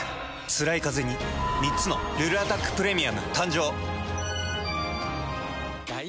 つらいカゼに３つの「ルルアタックプレミアム」誕生。